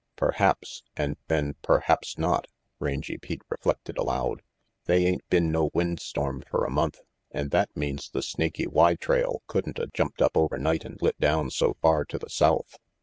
"Perhaps, and then perhaps not," Rangy Pete reflected aloud. "They ain't been no windstorm fer a month, an' that means the Snaky Y trail couldn't a jumped up over night and lit down so far to the south.